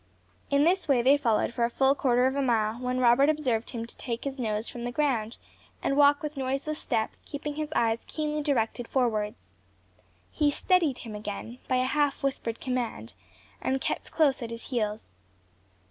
In this way they followed for a full quarter of a mile, when Robert observed him take his nose from the ground, and walk with noiseless step, keeping his eyes keenly directed forwards. He "steadied" him again by a half whispered command, and kept close at his heels.